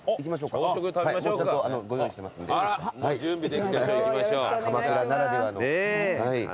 鎌倉ならではの。